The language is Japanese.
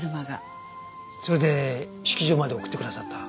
それで式場まで送ってくださった？